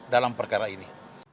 dalam perkara ini